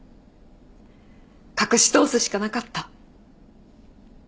隠し通すしかなかった。